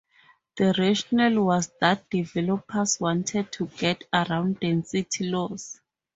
The rationale was that developers wanted to get around density laws.